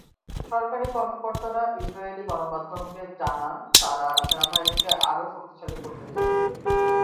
সরকারি কর্মকর্তারা ইসরায়েলি গণমাধ্যমকে জানভন, ত্ারা সেনাবাহিনীকে আরও শক্তিশালী করতে চান।